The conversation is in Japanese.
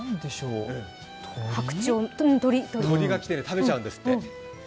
鳥が来て食べちゃうんですって。